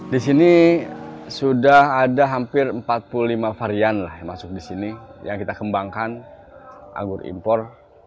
di sini sudah ada hampir empat puluh lima varian lah yang masuk di sini yang kita kembangkan anggur impor